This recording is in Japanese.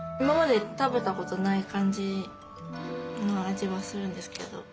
今まで食べたことない感じの味はするんですけど。